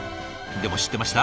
でも知ってました？